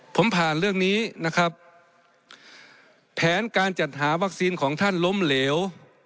ผมผ่านเรื่องนี้นะครับแผนการจัดหาวัคซีนของท่านล้มเหลว